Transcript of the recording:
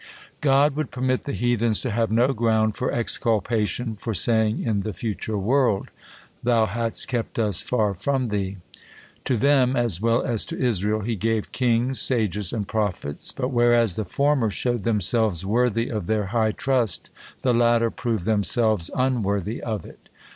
God would permit the heathens to have no ground for exculpation, for saying in the future world, "Thou hadst kept us far from Thee." To them, as well as to Israel, he gave kings, sages, and prophets; but whereas the former showed themselves worthy of their high trust, the latter proved themselves unworthy of it.